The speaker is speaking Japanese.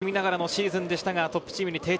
苦しみながらのシーズンでしたが、トップチームに定着。